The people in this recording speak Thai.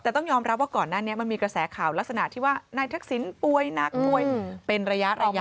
แต่ต้องยอมรับว่าก่อนหน้านี้มันมีกระแสข่าวลักษณะที่ว่านายทักษิณป่วยหนักป่วยเป็นระยะ